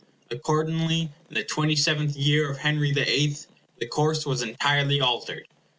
Accordingly, in the twenty seventh year of Henry the Eighth the course was entirely altered.